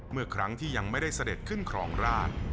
เมื่อครั้งที่ยังไม่ได้เสด็จขึ้นครองราช